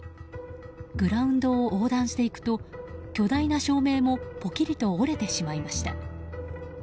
グラウンドを横断していくと巨大な照明もぽきりと折れてしまいました。